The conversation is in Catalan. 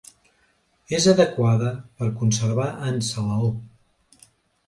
És adequada per a conservar en salaó.